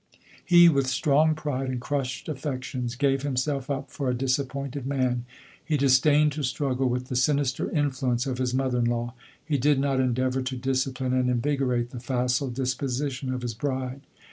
He, with strong pride and crushed affections, gave himself up for a disappointed ma He disdained to struggle with the sinister influence of his mother in law ; he did not endeavour to discipline and invigorate the facile disposition of his bride.